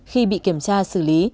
khi bị kiểm tra xử lý